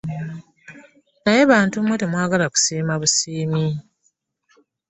Naye bantu mmwe temwagala kusiima busiimi.